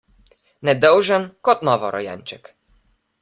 Nedolžen kot novorojenček.